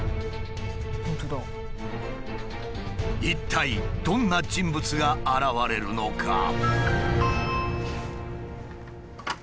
一体どんな人物が現れるのか？